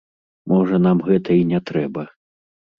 Можа, нам гэта і не трэба.